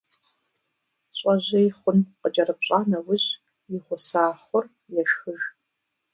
ЩIэжьей хъун къыкIэрыпщIа нэужь, и гъуса хъур ешхыж.